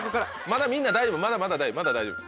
まだみんな大丈夫まだまだ大丈夫